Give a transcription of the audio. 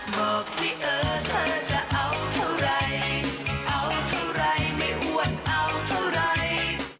บอกสิเออเธอจะเอาเท่าไรเอาเท่าไรไม่อ้วนเอาเท่าไร